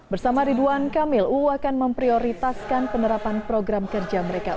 bersama ridwan kamil uu akan memprioritaskan penerapan program kerja mereka